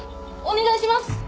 お願いします！